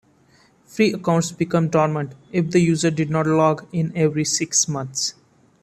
Free accounts became dormant if the user did not log in every six months.